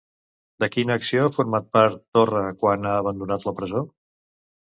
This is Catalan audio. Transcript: De quina acció ha format part, Torra, quan ha abandonat la presó?